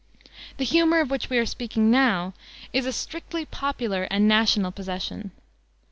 The humor of which we are speaking now is a strictly popular and national possession.